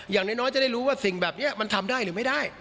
อย่างน้อยจะได้รู้ว่าสิ่งแบบนี้มันทำได้หรือไม่ได้